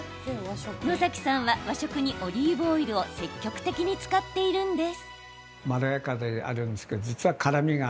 野崎さんは和食にオリーブオイルを積極的に使っているんです。